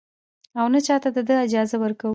او نـه چـاتـه د دې اجـازه ورکـو.